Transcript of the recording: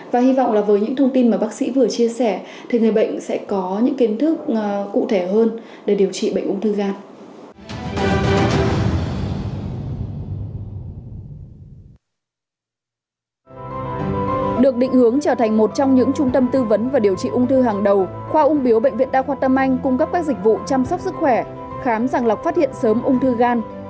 và hy vọng là với những thông tin mà bác sĩ vừa chia sẻ thì người bệnh sẽ có những kiến thức cụ thể hơn để điều trị bệnh ung thư gan